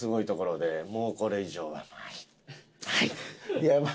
いや。